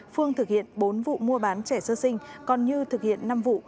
phương thực hiện bốn vụ mua bán trẻ sơ sinh còn như thực hiện năm vụ